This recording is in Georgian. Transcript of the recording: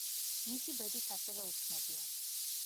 მისი ბედიც ასევე უცნობია.